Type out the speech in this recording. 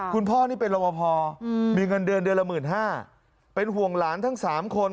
คุณพ่อนี่เป็นรบพอมีเงินเดือนเดือนละ๑๕๐๐เป็นห่วงหลานทั้ง๓คน